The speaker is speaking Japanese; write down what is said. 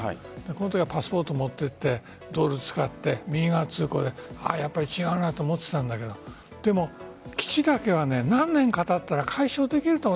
このときはパスポートを持っていってドルを使って、右側通行でやっぱり違うなと思ってたんだけどでも基地だけは何年か経ったら解消できると。